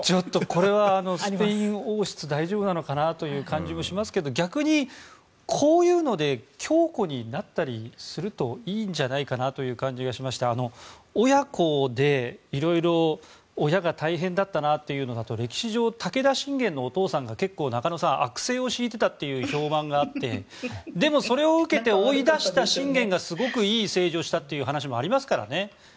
これはスペイン王室大丈夫なのかな？という感じもしますけど逆に、こういうので強固になったりするといいんじゃないかなという感じがしまして親子で、いろいろ親が大変だったなというのだと歴史上、武田信玄のお父さんが結構中野さん、悪政を敷いてたという評判があってでも、それを受けて追い出した信玄がすごくいい政治をしたという話もありましたからね。